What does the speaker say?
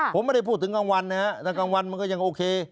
ผมไม่ได้พูดถึงกลางวันนะฮะถ้ากลางวันมันก็ยังโอเค